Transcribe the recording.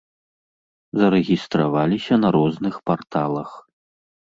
Зарэгістраваліся на розных парталах.